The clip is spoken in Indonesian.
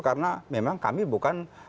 karena memang kami bukan